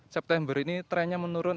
september ini trennya menurun